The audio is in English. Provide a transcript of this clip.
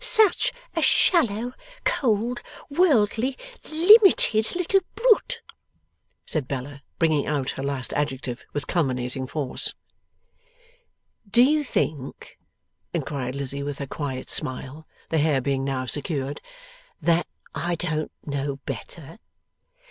'Such a shallow, cold, worldly, Limited little brute!' said Bella, bringing out her last adjective with culminating force. 'Do you think,' inquired Lizzie with her quiet smile, the hair being now secured, 'that I don't know better?